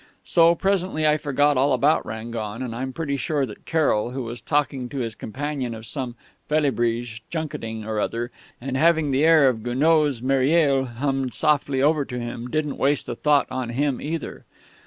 So presently I forgot all about Rangon, and I'm pretty sure that Carroll, who was talking to his companion of some Félibrige junketing or other and having the air of Gounod's Mireille hummed softly over to him, didn't waste a thought on him either.